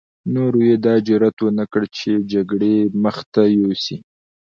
نورو يې دا جرعت ونه کړ چې جګړې مخته يوسي.